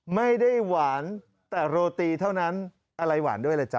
ไม่ได้หวานแต่โรตีเท่านั้นอะไรหวานด้วยล่ะจ๊